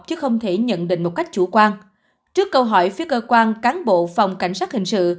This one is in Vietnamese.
chứ không thể nhận định một cách chủ quan trước câu hỏi phía cơ quan cán bộ phòng cảnh sát hình sự